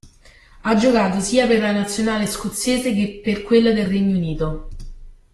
Ha giocato sia per la nazionale scozzese che per quella del Regno Unito.